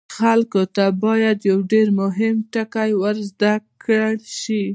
خلکو ته باید یو ډیر مهم ټکی ور زده کړل شي.